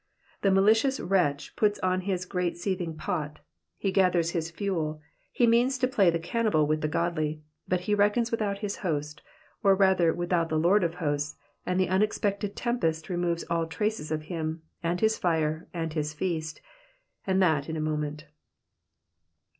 The malicious wretch puts on his great seething pot, he gathers his fuel, he means to play the cannibal with the godly ; but he reckons without his host, or rather without the Lord of hosts, and the unexpected tempest removes all trace of him, and his fire, and his feast, and that in a moment.